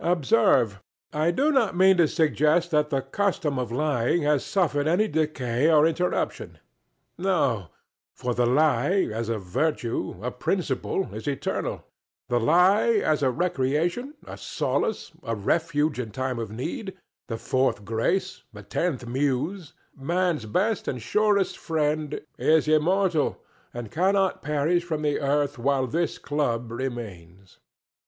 Observe, I do not mean to suggest that the custom of lying has suffered any decay or interruption no, for the Lie, as a Virtue, A Principle, is eternal; the Lie, as a recreation, a solace, a refuge in time of need, the fourth Grace, the tenth Muse, man's best and surest friend, is immortal, and cannot perish from the earth while this club remains.